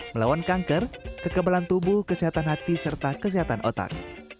melawan kanker kekebalan tubuh kesehatan hati serta kesehatan otak